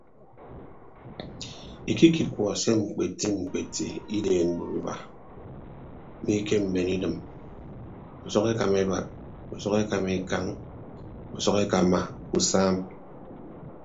Ikikiwuọ se mkpeti mkpeti ideen duopeba mi ke mben idịm usʌk ekama eduad usʌk ekama ikañ usʌk ekama usam.